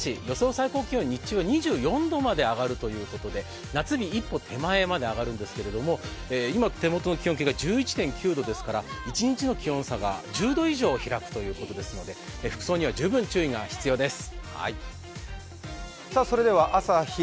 最高気温、日中が２４度まで上がるということで夏日一歩手前まで上がるんですが、今、手元の気温計が１１．９度ですから１日の気温差が１０度以上開くということですので服装には十分注意が必要です。